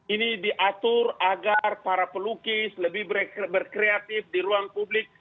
ini diatur agar para pelukis lebih berkreatif di ruang publik